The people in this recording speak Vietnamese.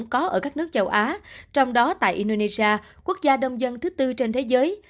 có ở các nước châu á trong đó tại indonesia quốc gia đông dân thứ tư trên thế giới